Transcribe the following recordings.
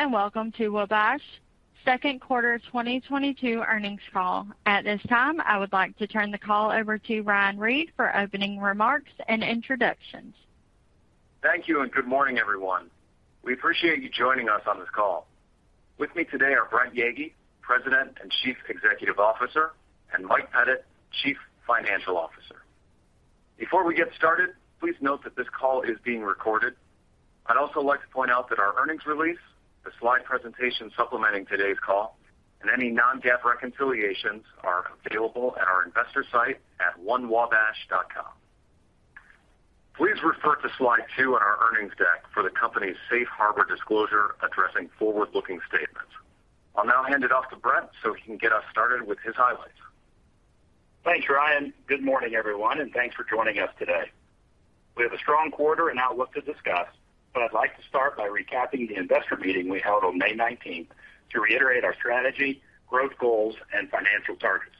Hello, and welcome to Wabash Second Quarter 2022 Earnings Call. At this time, I would like to turn the call over to Ryan Reed for opening remarks and introductions. Thank you, and good morning, everyone. We appreciate you joining us on this call. With me today are Brent Yeagy, President and Chief Executive Officer, and Mike Pettit, Chief Financial Officer. Before we get started, please note that this call is being recorded. I'd also like to point out that our earnings release, the slide presentation supplementing today's call, and any non-GAAP reconciliations are available at our Investor site at onewabash.com. Please refer to slide two on our earnings deck for the company's safe harbor disclosure addressing forward-looking statements. I'll now hand it off to Brent so he can get us started with his highlights. Thanks, Ryan. Good morning, everyone, and thanks for joining us today. We have a strong quarter and outlook to discuss, but I'd like to start by recapping the investor meeting we held on May 19th to reiterate our strategy, growth goals, and financial targets.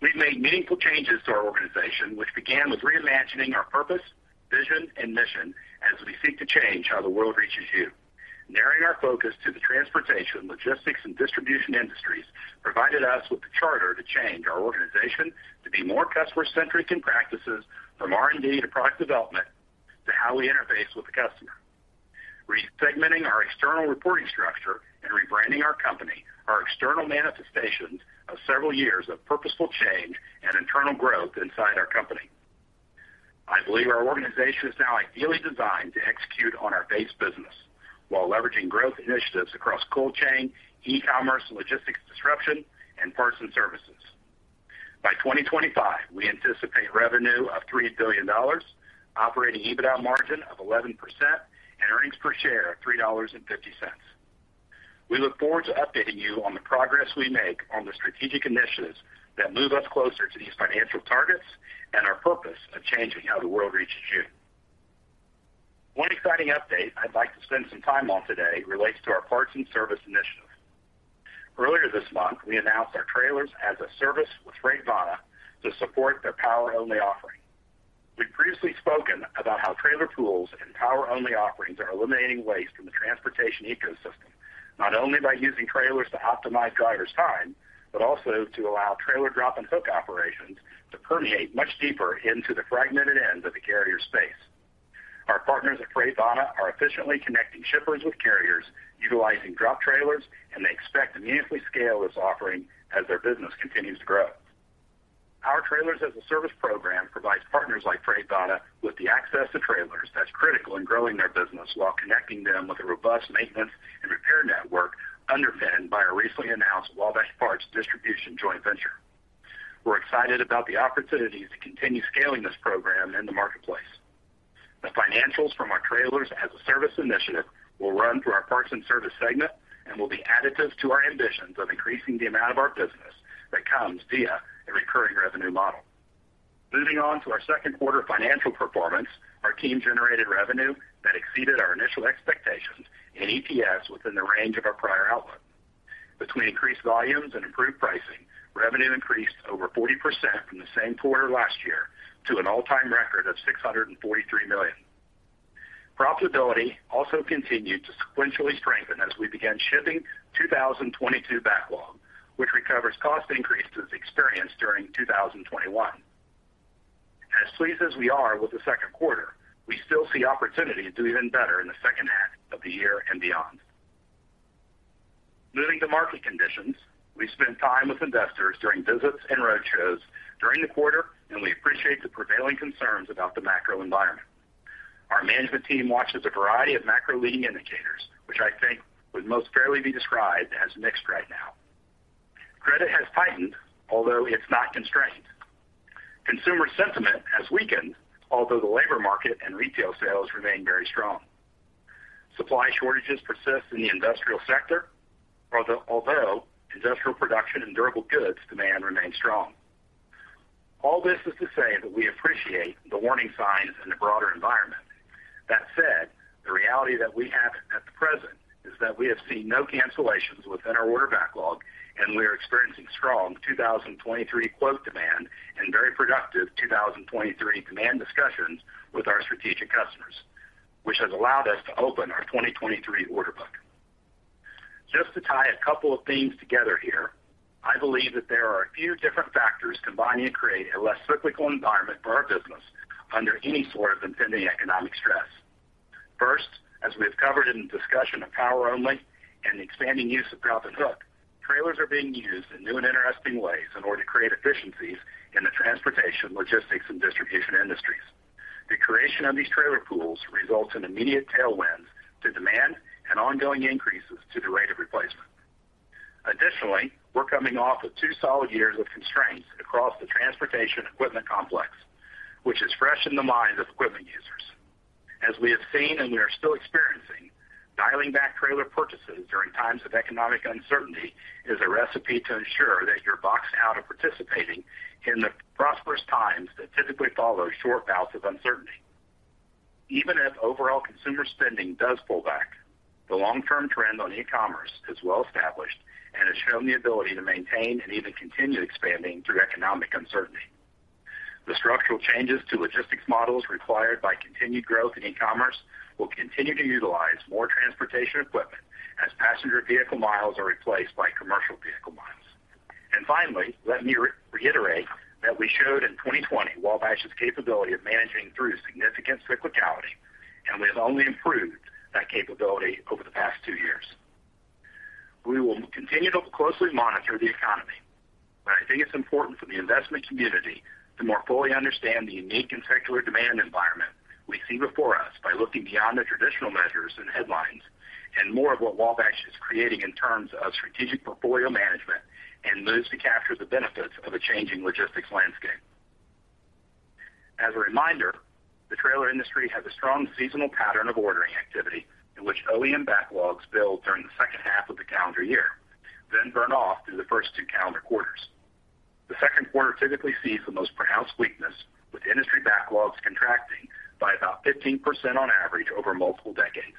We've made meaningful changes to our organization, which began with reimagining our purpose, vision, and mission as we seek to change how the world reaches you. Narrowing our focus to the transportation, logistics, and distribution industries provided us with the charter to change our organization to be more customer-centric in practices from R&D to product development to how we interface with the customer. Re-segmenting our external reporting structure and rebranding our company are external manifestations of several years of purposeful change and internal growth inside our company. I believe our organization is now ideally designed to execute on our base business while leveraging growth initiatives across cold chain, e-commerce and logistics disruption, and Parts and Services. By 2025, we anticipate revenue of $3 billion, operating EBITDA margin of 11%, and earnings per share of $3.50. We look forward to updating you on the progress we make on the strategic initiatives that move us closer to these financial targets and our purpose of changing how the world reaches you. One exciting update I'd like to spend some time on today relates to our Parts and Services initiative. Earlier this month, we announced our Trailers as a Service with FreightVana to support their power-only offering. We've previously spoken about how trailer pools and power-only offerings are eliminating waste in the transportation ecosystem, not only by using trailers to optimize drivers' time, but also to allow trailer drop and hook operations to permeate much deeper into the fragmented ends of the carrier space. Our partners at FreightVana are efficiently connecting shippers with carriers utilizing drop trailers, and they expect to meaningfully scale this offering as their business continues to grow. Our Trailers as a Service program provides partners like FreightVana with the access to trailers that's critical in growing their business while connecting them with a robust maintenance and repair network underpinned by our recently announced Wabash Parts distribution joint venture. We're excited about the opportunity to continue scaling this program in the marketplace. The financials from our Trailers as a Service initiative will run through our Parts and Services segment and will be additive to our ambitions of increasing the amount of our business that comes via a recurring revenue model. Moving on to our second quarter financial performance, our team generated revenue that exceeded our initial expectations and EPS within the range of our prior outlook. Between increased volumes and improved pricing, revenue increased over 40% from the same quarter last year to an all-time record of $643 million. Profitability also continued to sequentially strengthen as we began shipping 2022 backlog, which recovers cost increases experienced during 2021. As pleased as we are with the second quarter, we still see opportunity to do even better in the second half of the year and beyond. Moving to market conditions, we spent time with investors during visits and roadshows during the quarter, and we appreciate the prevailing concerns about the macro environment. Our management team watches a variety of macro leading indicators, which I think would most fairly be described as mixed right now. Credit has tightened, although it's not constrained. Consumer sentiment has weakened, although the labor market and retail sales remain very strong. Supply shortages persist in the industrial sector, although industrial production and durable goods demand remains strong. All this is to say that we appreciate the warning signs in the broader environment. That said, the reality that we have at the present is that we have seen no cancellations within our order backlog, and we are experiencing strong 2023 quote demand and very productive 2023 demand discussions with our strategic customers, which has allowed us to open our 2023 order book. Just to tie a couple of themes together here, I believe that there are a few different factors combining to create a less cyclical environment for our business under any sort of impending economic stress. First, as we've covered in the discussion of power-only and the expanding use of drop and hook, trailers are being used in new and interesting ways in order to create efficiencies in the transportation, logistics, and distribution industries. The creation of these trailer pools results in immediate tailwinds to demand and ongoing increases to the rate of replacement. Additionally, we're coming off of two solid years of constraints across the transportation equipment complex, which is fresh in the minds of equipment users. As we have seen and we are still experiencing, dialing back trailer purchases during times of economic uncertainty is a recipe to ensure that you're boxed out of participating in the prosperous times that typically follow short bouts of uncertainty. Even if overall consumer spending does pull back, the long-term trend on e-commerce is well established and has shown the ability to maintain and even continue expanding through economic uncertainty. The structural changes to logistics models required by continued growth in e-commerce will continue to utilize more transportation equipment as passenger vehicle miles are replaced by commercial vehicle miles. Finally, let me reiterate that we showed in 2020 Wabash's capability of managing through significant cyclicality, and we have only improved that capability over the past two years. We will continue to closely monitor the economy, but I think it's important for the investment community to more fully understand the unique and secular demand environment we see before us by looking beyond the traditional measures and headlines and more of what Wabash is creating in terms of strategic portfolio management and moves to capture the benefits of a changing logistics landscape. As a reminder, the trailer industry has a strong seasonal pattern of ordering activity in which OEM backlogs build during the second half of the calendar year, then burn off through the first two calendar quarters. The second quarter typically sees the most pronounced weakness, with industry backlogs contracting by about 15% on average over multiple decades.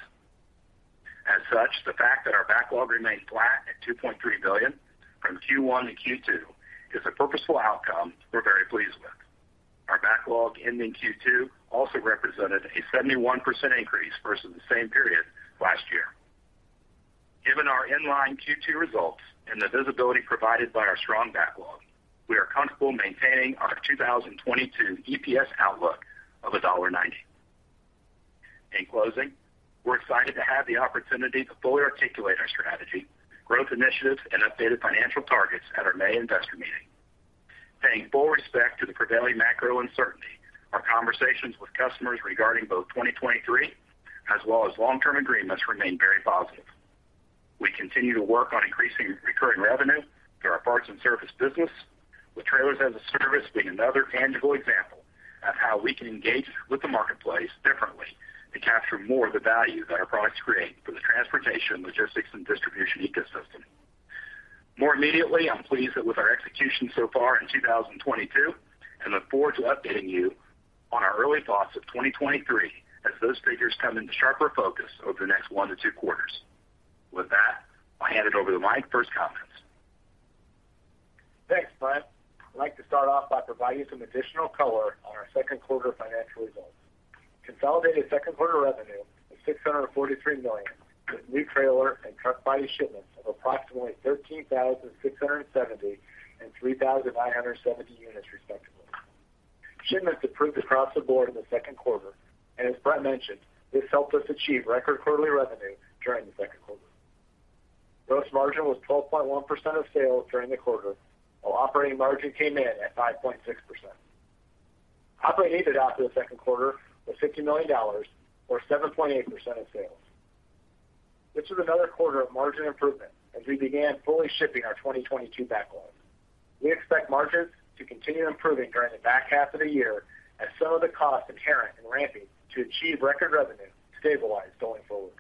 As such, the fact that our backlog remained flat at $2.3 billion from Q1 to Q2 is a purposeful outcome we're very pleased with. Our backlog ending Q2 also represented a 71% increase versus the same period last year. Given our in-line Q2 results and the visibility provided by our strong backlog, we are comfortable maintaining our 2022 EPS outlook of $1.90. In closing, we're excited to have the opportunity to fully articulate our strategy, growth initiatives, and updated financial targets at our May Investor Meeting. Paying full respect to the prevailing macro uncertainty, our conversations with customers regarding both 2023 as well as long-term agreements remain very positive. We continue to work on increasing recurring revenue through our Parts and Services business, with Trailers as a Service being another tangible example of how we can engage with the marketplace differently to capture more of the value that our products create for the transportation, logistics, and distribution ecosystem. More immediately, I'm pleased with our execution so far in 2022, and look forward to updating you on our early thoughts of 2023 as those figures come into sharper focus over the next one to two quarters. With that, I'll hand it over to Mike for his comments. Thanks, Brent. I'd like to start off by providing some additional color on our second quarter financial results. Consolidated second quarter revenue of $643 million, with new trailer and truck body shipments of approximately 13,670 and 3,970 units, respectively. Shipments improved across the board in the second quarter, and as Brent mentioned, this helped us achieve record quarterly revenue during the second quarter. Gross margin was 12.1% of sales during the quarter, while operating margin came in at 5.6%. Operating income after the second quarter was $50 million, or 7.8% of sales. This was another quarter of margin improvement as we began fully shipping our 2022 backlog. We expect margins to continue improving during the back half of the year as some of the costs inherent in ramping to achieve record revenue stabilize going forward.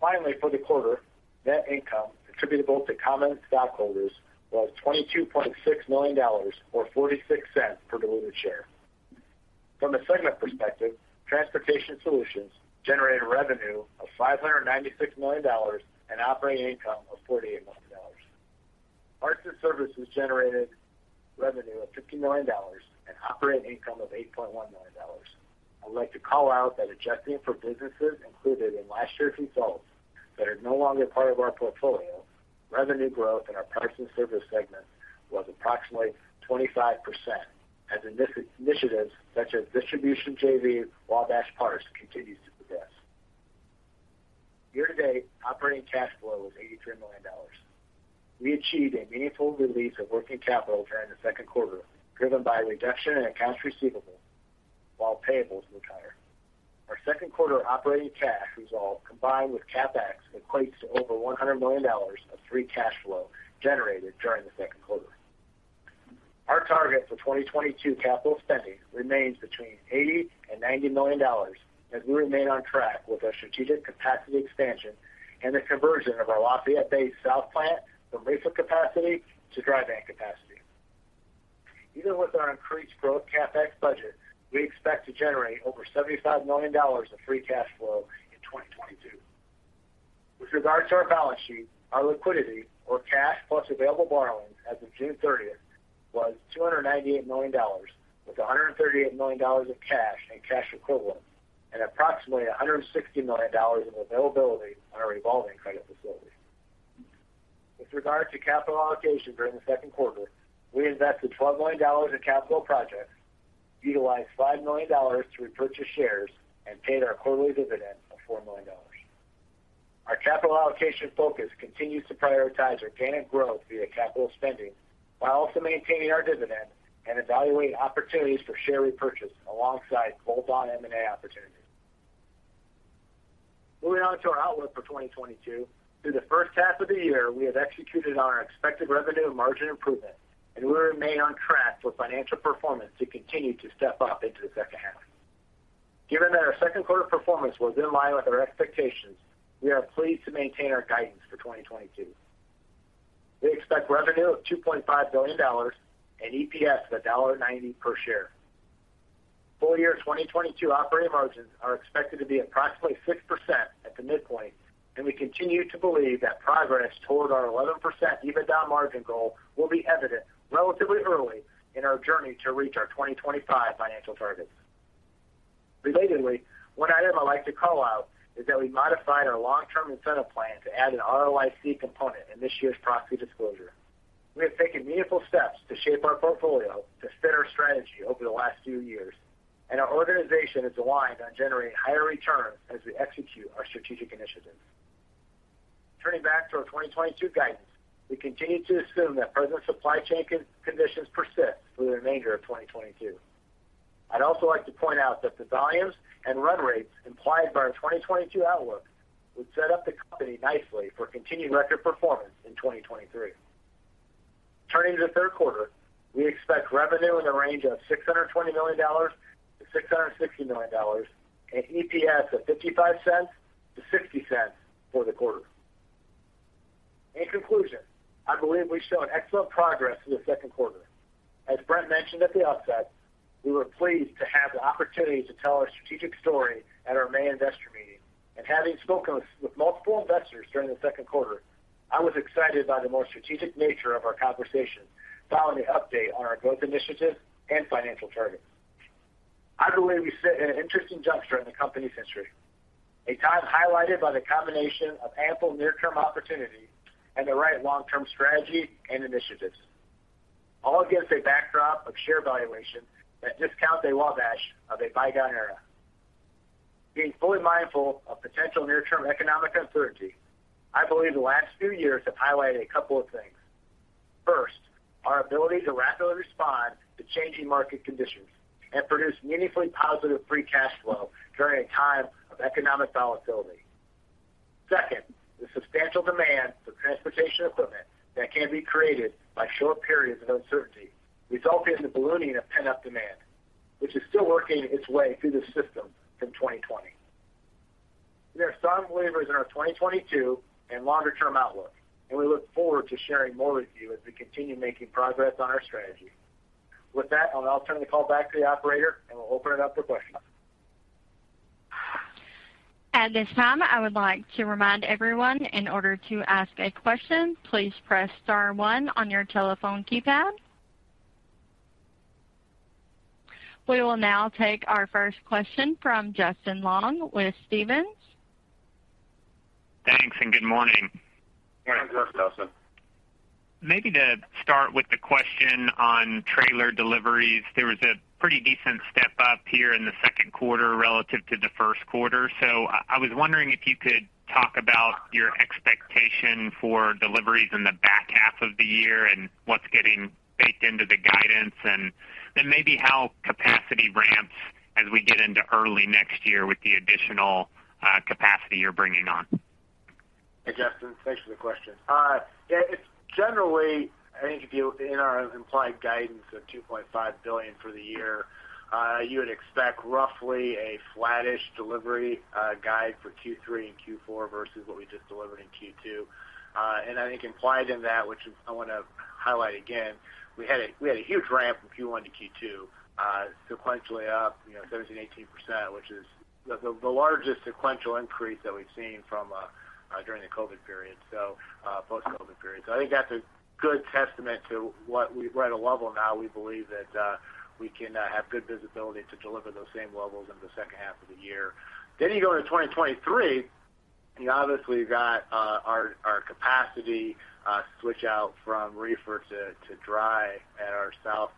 Finally, for the quarter, net income attributable to common stockholders was $22.6 million, or $0.46 per diluted share. From a segment perspective, Transportation Solutions generated revenue of $596 million and operating income of $48 million. Parts and Services generated revenue of $50 million and operating income of $8.1 million. I'd like to call out that adjusting for businesses included in last year's results that are no longer part of our portfolio, revenue growth in our Parts and Services segment was approximately 25%, as initiatives such as distribution JV Wabash partners continues to progress. Year-to-date, operating cash flow was $83 million. We achieved a meaningful release of working capital during the second quarter, driven by a reduction in accounts receivable while payables were higher. Our second quarter operating cash result combined with CapEx equates to over $100 million of free cash flow generated during the second quarter. Our target for 2022 capital spending remains between $80-$90 million as we remain on track with our strategic capacity expansion and the conversion of our Lafayette Bay South plant from lease of capacity to dry van capacity. Even with our increased growth CapEx budget, we expect to generate over $75 million of free cash flow in 2022. With regard to our balance sheet, our liquidity or cash plus available borrowings as of June 30th was $298 million, with $138 million of cash and cash equivalents and approximately $160 million in availability on our revolving credit facility. With regard to capital allocation during the second quarter, we invested $12 million in capital projects, utilized $5 million to repurchase shares, and paid our quarterly dividend of $4 million. Our capital allocation focus continues to prioritize organic growth via capital spending while also maintaining our dividend and evaluating opportunities for share repurchase alongside bolt-on M&A opportunities. Moving on to our outlook for 2022, through the first half of the year, we have executed on our expected revenue and margin improvement, and we remain on track for financial performance to continue to step up into the second half. Given that our second quarter performance was in line with our expectations, we are pleased to maintain our guidance for 2022. We expect revenue of $2.5 billion and EPS of $1.90 per share. Full year 2022 operating margins are expected to be approximately 6% at the midpoint, and we continue to believe that progress toward our 11% EBITDA margin goal will be evident relatively early in our journey to reach our 2025 financial targets. Relatedly, one item I like to call out is that we modified our long-term incentive plan to add an ROIC component in this year's proxy disclosure. We have taken meaningful steps to shape our portfolio to fit our strategy over the last few years, and our organization is aligned on generating higher returns as we execute our strategic initiatives. Turning back to our 2022 guidance, we continue to assume that present supply chain conditions persist through the remainder of 2022. I'd also like to point out that the volumes and run rates implied by our 2022 outlook would set up the company nicely for continued record performance in 2023. Turning to the third quarter, we expect revenue in the range of $620 million-$660 million and EPS of $0.55-$0.60 for the quarter. In conclusion, I believe we've shown excellent progress in the second quarter. As Brent mentioned at the outset, we were pleased to have the opportunity to tell our strategic story at our May Investor Meeting. Having spoken with multiple investors during the second quarter, I was excited by the more strategic nature of our conversation following the update on our growth initiatives and financial targets. I believe we sit at an interesting juncture in the company's history. A time highlighted by the combination of ample near-term opportunity and the right long-term strategy and initiatives, all against a backdrop of share valuations that discount a Wabash of a bygone era. Being fully mindful of potential near-term economic uncertainty, I believe the last few years have highlighted a couple of things. First, our ability to rapidly respond to changing market conditions and produce meaningfully positive free cash flow during a time of economic volatility. Second, the substantial demand for transportation equipment that can be created by short periods of uncertainty resulting in the ballooning of pent-up demand, which is still working its way through the system from 2020. We are strong believers in our 2022 and longer-term outlook, and we look forward to sharing more with you as we continue making progress on our strategy. With that, I'll now turn the call back to the operator, and we'll open it up for questions. At this time, I would like to remind everyone, in order to ask a question, please press star one on your telephone keypad. We will now take our first question from Justin Long with Stephens. Thanks, and good morning. Morning, Justin. Maybe to start with the question on trailer deliveries. There was a pretty decent step-up here in the second quarter relative to the first quarter. I was wondering if you could talk about your expectation for deliveries in the back half of the year and what's getting baked into the guidance. Then maybe how capacity ramps as we get into early next year with the additional capacity you're bringing on. Hey, Justin. Thanks for the question. It's generally, I think in our implied guidance of $2.5 billion for the year, you would expect roughly a flattish delivery guide for Q3 and Q4 versus what we just delivered in Q2. I think implied in that, which is I want to highlight again, we had a huge ramp from Q1 to Q2, sequentially up, you know, 17%-18%, which is the largest sequential increase that we've seen during the COVID period, post-COVID period. I think that's a good testament to what we're at a level now we believe that we can have good visibility to deliver those same levels in the second half of the year. You go into 2023, you obviously have got our capacity switch out from reefer to dry at our south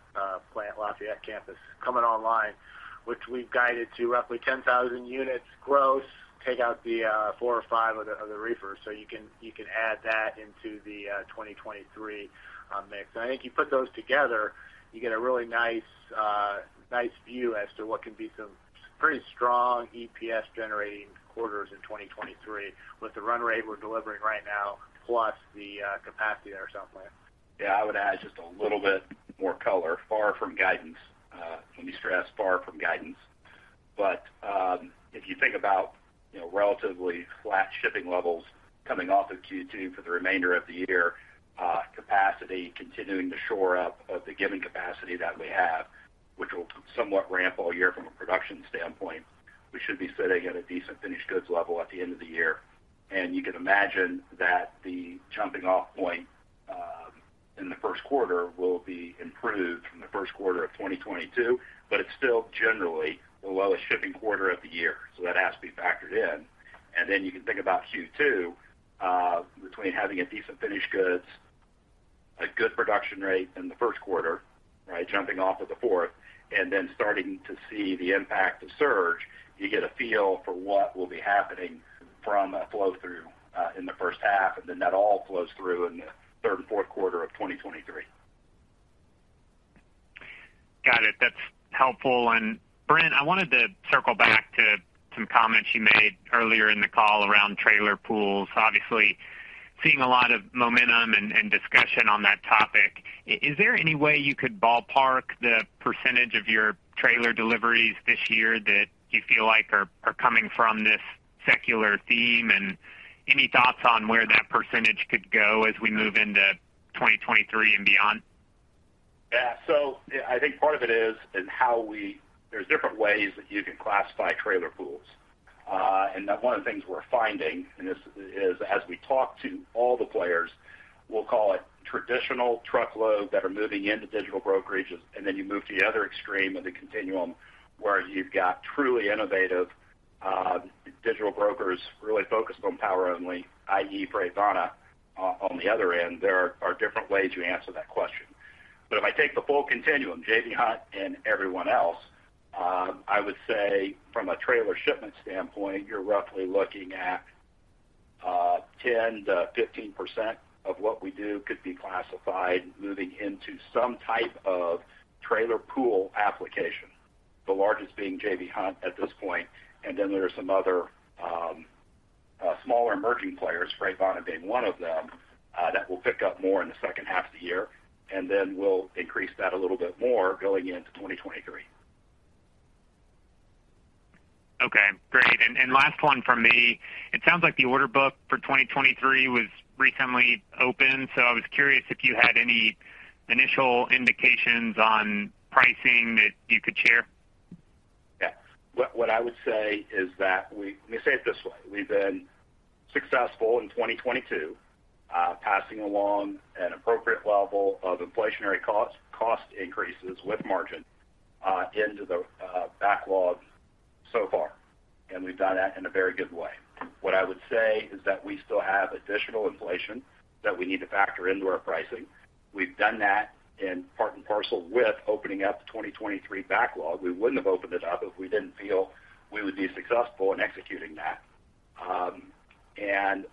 plant, Lafayette campus, coming online, which we've guided to roughly 10,000 units gross, take out the four or five of the reefers. You can add that into the 2023 mix. I think you put those together, you get a really nice view as to what can be some pretty strong EPS generating quarters in 2023 with the run rate we're delivering right now, plus the capacity at our south plant. Yeah. I would add just a little bit more color far from guidance. Let me stress far from guidance. If you think about, you know, relatively flat shipping levels coming off of Q2 for the remainder of the year, capacity continuing to shore up of the given capacity that we have, which will somewhat ramp all year from a production standpoint. We should be sitting at a decent finished goods level at the end of the year. You can imagine that the jumping off point in the first quarter will be improved from the first quarter of 2022, but it's still generally the lowest shipping quarter of the year. That has to be factored in. Then you can think about Q2 between having a decent finished goods, a good production rate in the first quarter, right? Jumping off of the fourth, and then starting to see the impact of surge. You get a feel for what will be happening from a flow through in the first half, and then that all flows through in the third and fourth quarter of 2023. Got it. That's helpful. Brent, I wanted to circle back to some comments you made earlier in the call around trailer pools. Obviously, seeing a lot of momentum and discussion on that topic. Is there any way you could ballpark the percentage of your trailer deliveries this year that you feel like are coming from this secular theme? Any thoughts on where that percentage could go as we move into 2023 and beyond? Yeah. I think part of it is there's different ways that you can classify trailer pools. One of the things we're finding, and this is as we talk to all the players, we'll call it traditional truckload that are moving into digital brokerages, then you move to the other extreme of the continuum, where you've got truly innovative, digital brokers really focused on power-only, i.e., FreightVana. On the other end, there are different ways you answer that question. If I take the full continuum, J.B. Hunt and everyone else, I would say from a trailer shipment standpoint, you're roughly looking at 10%-15% of what we do could be classified moving into some type of trailer pool application, the largest being J.B. Hunt at this point. There are some other smaller emerging players, FreightVana being one of them, that will pick up more in the second half of the year, and then we'll increase that a little bit more going into 2023. Okay, great. Last one from me. It sounds like the order book for 2023 was recently opened, so I was curious if you had any initial indications on pricing that you could share? Yeah. What I would say is, let me say it this way. We've been successful in 2022, passing along an appropriate level of inflationary cost increases with margin into the backlog so far, and we've done that in a very good way. What I would say is that we still have additional inflation that we need to factor into our pricing. We've done that in part and parcel with opening up the 2023 backlog. We wouldn't have opened it up if we didn't feel we would be successful in executing that.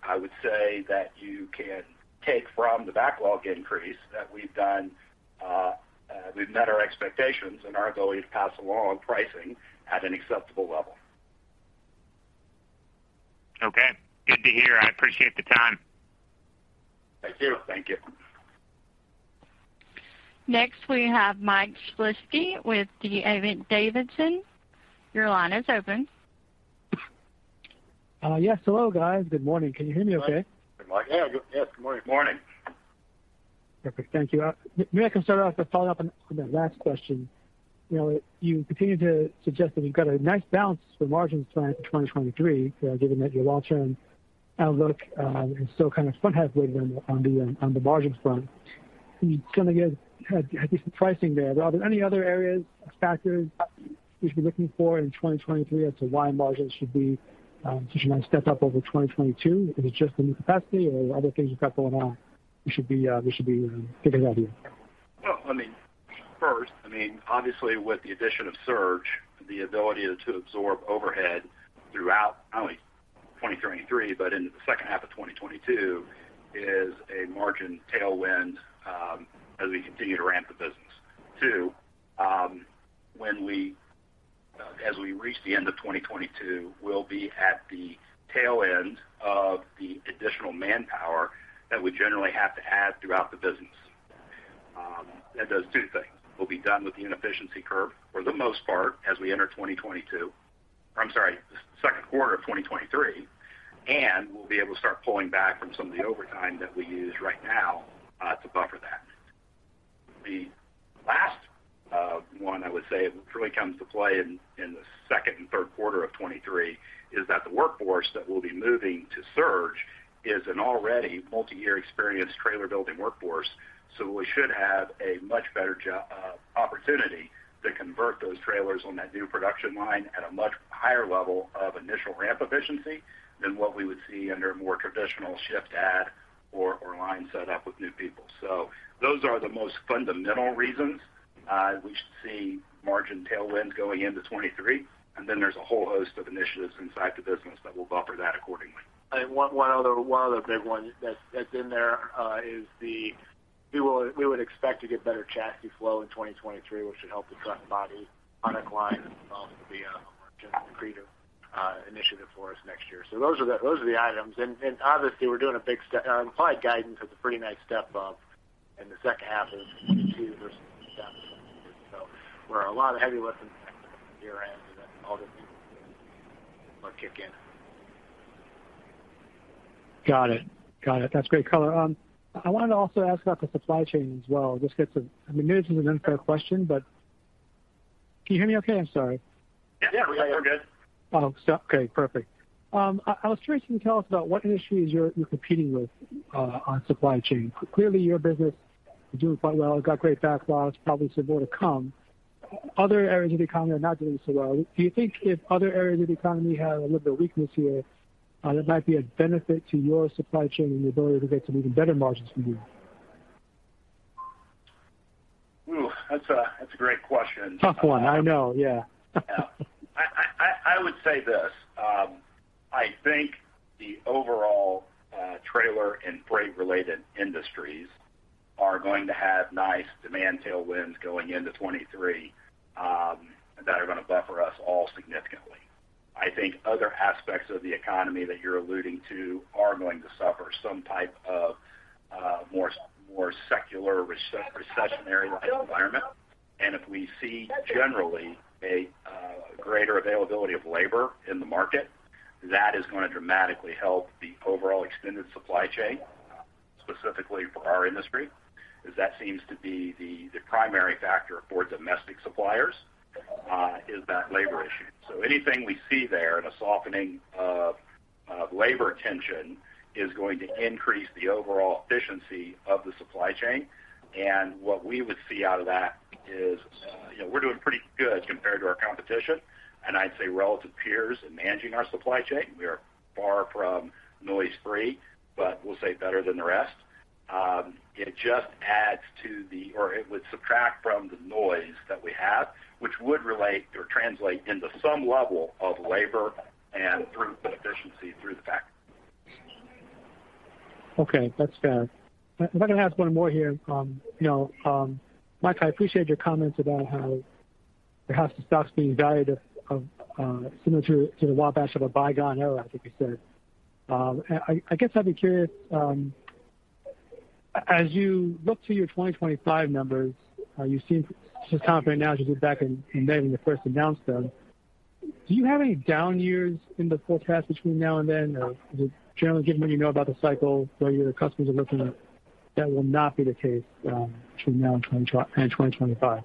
I would say that you can take from the backlog increase that we've done, we've met our expectations and our ability to pass along pricing at an acceptable level. Okay. Good to hear. I appreciate the time. Thank you. Thank you. Next, we have Mike Shlisky with D.A. Davidson. Your line is open. Yes. Hello, guys. Good morning. Can you hear me okay? Good morning. Yeah, yes. Good morning. Morning. Perfect. Thank you. Maybe I can start off by following up on the last question. You know, you continue to suggest that you've got a nice balance for margins for 2023, given that your long-term outlook is still kind of front half weighted on the margins front. You kind of give at least the pricing there. Are there any other areas or factors we should be looking for in 2023 as to why margins should step up over 2022? Is it just the new capacity or other things you've got going on we should be giving idea? Well, I mean, first, I mean, obviously with the addition of surge, the ability to absorb overhead throughout not only 2023, but into the second half of 2022 is a margin tailwind, as we continue to ramp the business. Two, as we reach the end of 2022, we'll be at the tail end of the additional manpower that we generally have to add throughout the business. That does two things. We'll be done with the inefficiency curve for the most part as we enter 2022. I'm sorry, second quarter of 2023, and we'll be able to start pulling back from some of the overtime that we use right now, to buffer that. The last one I would say truly comes to play in the second and third quarter of 2023 is that the workforce that we'll be moving to surge is an already multi-year experienced trailer building workforce. We should have a much better opportunity to convert those trailers on that new production line at a much higher level of initial ramp efficiency than what we would see under a more traditional shift add or line set up with new people. Those are the most fundamental reasons we should see margin tailwind going into 2023. There's a whole host of initiatives inside the business that will buffer that accordingly. One other big one that's in there is we would expect to get better chassis flow in 2023, which should help the truck body product line be a margin accretive initiative for us next year. Those are the items. Obviously guidance is a pretty nice step up in the second half of 2022 versus the second half of 2023. Where a lot of heavy lifting year-end all the things will kick in. Got it. That's great color. I wanted to also ask about the supply chain as well. I mean, maybe this is an unfair question. Can you hear me okay? I'm sorry. Yeah, we're good. Oh, okay. Perfect. I was curious if you can tell us about what industries you're competing with on supply chain. Clearly, your business is doing quite well. It's got great backlogs, probably some more to come. Other areas of the economy are not doing so well. Do you think if other areas of the economy have a little bit of weakness here, that might be a benefit to your supply chain and the ability to get some even better margins for you? Oh, that's a great question. Tough one. I know, yeah. Yeah. I would say this. I think the overall trailer and freight related industries are going to have nice demand tailwinds going into 2023, that are going to buffer us all significantly. I think other aspects of the economy that you're alluding to are going to suffer some type of more secular recessionary environment. If we see generally a greater availability of labor in the market. That is going to dramatically help the overall extended supply chain, specifically for our industry, because that seems to be the primary factor for domestic suppliers is that labor issue. Anything we see there in a softening of labor tension is going to increase the overall efficiency of the supply chain. What we would see out of that is, you know, we're doing pretty good compared to our competition, and I'd say relative to peers in managing our supply chain. We are far from noise-free, but we'll say better than the rest. Or it would subtract from the noise that we have, which would relate or translate into some level of labor and throughput efficiency through the factory. Okay, that's fair. I'm going to ask one more here. You know, Mike, I appreciate your comments about how perhaps the stock's being valued of similar to the Wabash of a bygone era, I think you said. I guess I'd be curious as you look to your 2025 numbers. You seem just confident now as you look back and then when you first announced them. Do you have any down years in the forecast between now and then? Or just generally given what you know about the cycle, the way your customers are looking, that will not be the case between now and 2025?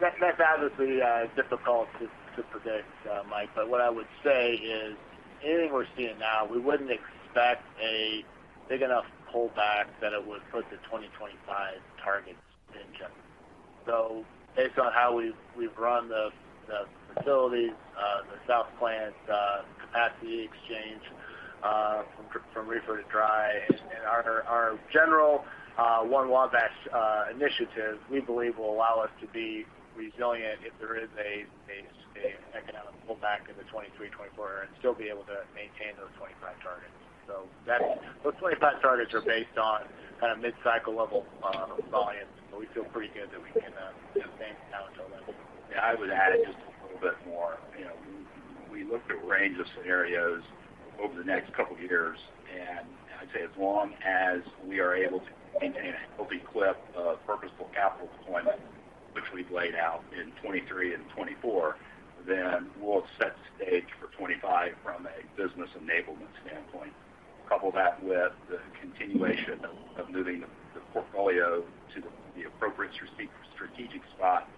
That's obviously difficult to predict, Mike, but what I would say is anything we're seeing now, we wouldn't expect a big enough pullback that it would put the 2025 targets in check. Based on how we've run the facilities, the south plant capacity expansion from reefer to dry and our general One Wabash initiative, we believe will allow us to be resilient if there is a economic pullback in the 2023, 2024 and still be able to maintain those 2025 targets. Those 2025 targets are based on kind of mid-cycle level volume, but we feel pretty good that we can maintain down to a level. I would add just a little bit more. You know, we looked at a range of scenarios over the next couple of years, and I'd say as long as we are able to maintain a healthy clip of purposeful capital deployment, which we've laid out in 2023 and 2024, then we'll set the stage for 2025 from a business enablement standpoint. Couple that with the continuation of moving the portfolio to the appropriate strategic spot,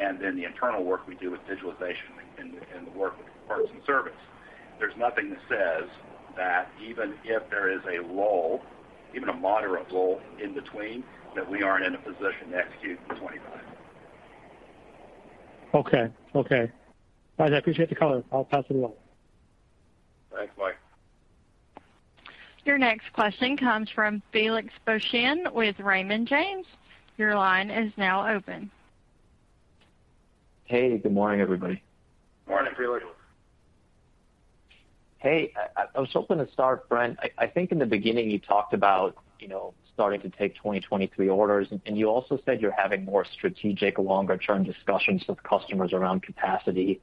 and then the internal work we do with digitalization and the work with Parts and Services. There's nothing that says that even if there is a lull, even a moderate lull in between, that we aren't in a position to execute to 2025. Okay. Guys, I appreciate the color. I'll pass it along. Thanks, Mike. Your next question comes from Felix Boeschen with Raymond James. Your line is now open. Hey, good morning, everybody. Morning, Felix. Hey, I was hoping to start, Brent. I think in the beginning, you talked about, you know, starting to take 2023 orders, and you also said you're having more strategic, longer-term discussions with customers around capacity.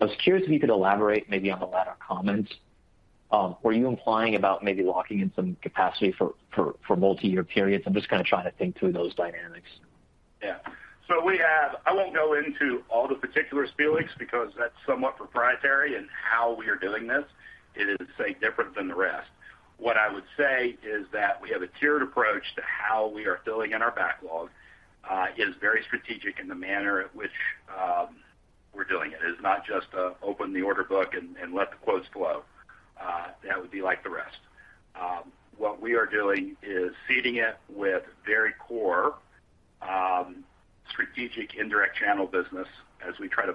I was curious if you could elaborate maybe on the latter comment. Were you implying about maybe locking in some capacity for multiyear periods? I'm just kind of trying to think through those dynamics. Yeah. I won't go into all the particulars, Felix, because that's somewhat proprietary in how we are doing this. It is, say, different than the rest. What I would say is that we have a tiered approach to how we are filling in our backlog. It is very strategic in the manner at which we're doing it. It is not just open the order book and let the quotes flow. That would be like the rest. What we are doing is seeding it with very core strategic indirect channel business as we try to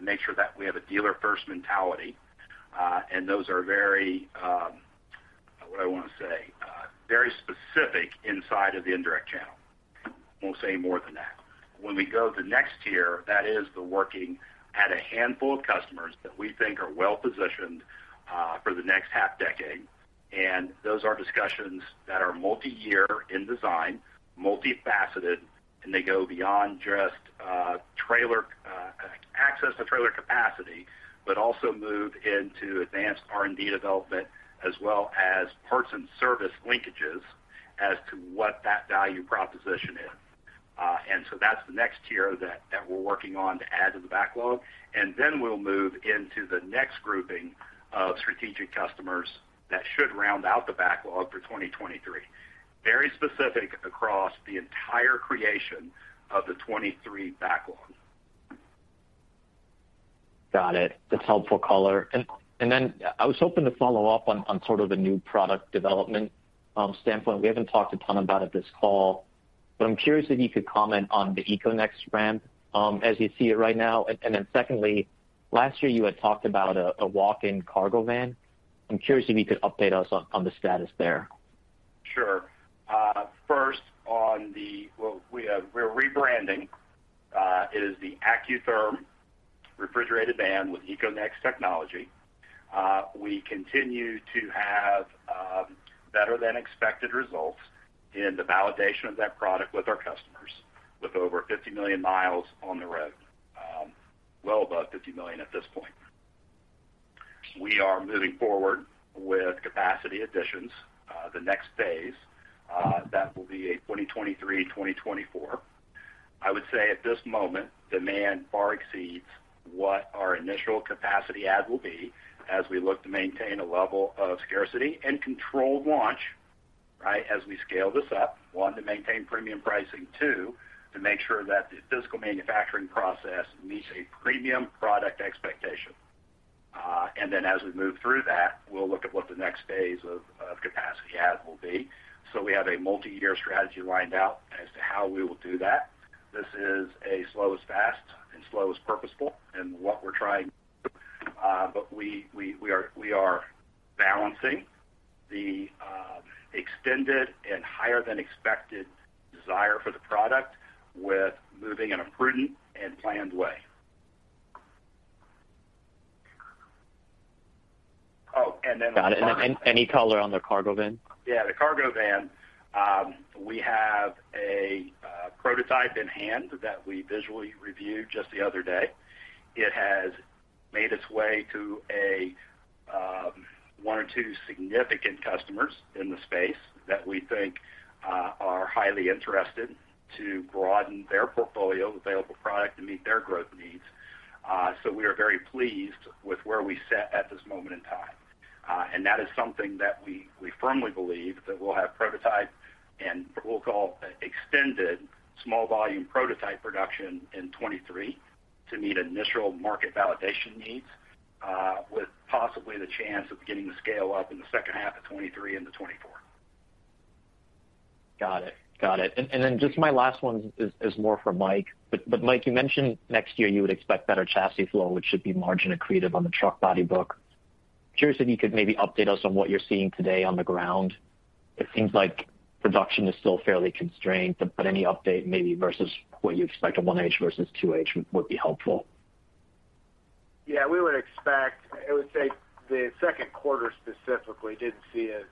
make sure that we have a dealer-first mentality. Those are very, what do I want to say? Very specific inside of the indirect channel. Won't say more than that. When we go to next tier, that is the working at a handful of customers that we think are well-positioned for the next half decade. Those are discussions that are multiyear in design, multifaceted, and they go beyond just trailer access to trailer capacity, but also move into advanced R&D development, as well as Parts and Services linkages as to what that value proposition is. That's the next tier that we're working on to add to the backlog. Then we'll move into the next grouping of strategic customers that should round out the backlog for 2023. Very specific across the entire creation of the 2023 backlog. Got it. That's helpful color. Then I was hoping to follow up on sort of the new product development standpoint. We haven't talked a ton about it this call, but I'm curious if you could comment on the EcoNex van as you see it right now. Then secondly, last year, you had talked about a walk-in cargo van. I'm curious if you could update us on the status there. Sure. We're rebranding, it is the Acutherm Refrigerated Van with EcoNex Technology. We continue to have better than expected results in the validation of that product with our customers with over 50 million miles on the road, well above 50 million at this point. We are moving forward with capacity additions, the next phase, that will be a 2023-2024. I would say at this moment, demand far exceeds what our initial capacity add will be as we look to maintain a level of scarcity and controlled launch, right? As we scale this up. One, to maintain premium pricing. Two, to make sure that the physical manufacturing process meets a premium product expectation. As we move through that, we'll look at what the next phase of capacity add will be. We have a multiyear strategy laid out as to how we will do that. This is a slow is fast and slow is purposeful in what we're trying to do. We are balancing the extended and higher than expected desire for the product with moving in a prudent and planned way. Got it. Any color on the cargo van? Yeah, the cargo van. We have a prototype in hand that we visually reviewed just the other day. It has made its way to a one or two significant customers in the space that we think are highly interested to broaden their portfolio of available product to meet their growth needs. We are very pleased with where we sit at this moment in time. That is something that we firmly believe that we'll have prototype and what we'll call extended small volume prototype production in 2023 to meet initial market validation needs, with possibly the chance of getting the scale up in the second half of 2023 into 2024. Got it. Just my last one is more for Mike. Mike, you mentioned next year you would expect better chassis flow, which should be margin accretive on the truck body book. Curious if you could maybe update us on what you're seeing today on the ground. It seems like production is still fairly constrained, but any update maybe versus what you expect on 1H versus 2H would be helpful. Yeah, we would expect. I would say the second quarter specifically didn't see a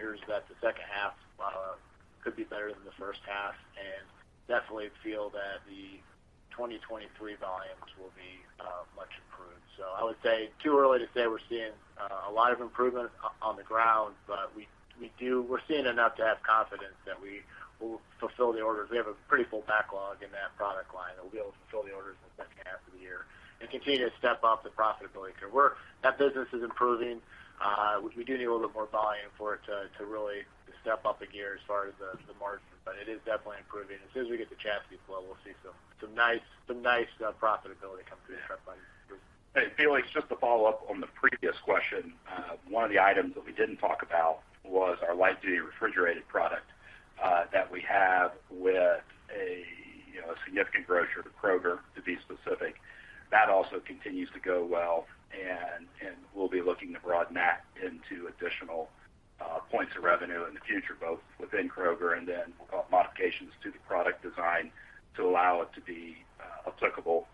significant improvement. We believe we're starting to see some early indicators that the second half could be better than the first half, and definitely feel that the 2023 volumes will be much improved. I would say it's too early to say we're seeing a lot of improvement on the ground, but we're seeing enough to have confidence that we will fulfill the orders. We have a pretty full backlog in that product line, and we'll be able to fulfill the orders in the second half of the year and continue to step up the profitability. That business is improving. We do need a little bit more volume for it to really step up a gear as far as the margins, but it is definitely improving. As soon as we get the chassis flow, we'll see some nice profitability come through the truck body group. Hey, Felix, just to follow up on the previous question. One of the items that we didn't talk about was our light-duty refrigerated product that we have with a, you know, a significant grocer, Kroger, to be specific. That also continues to go well and we'll be looking to broaden that into additional points of revenue in the future, both within Kroger and then modifications to the product design to allow it to be applicable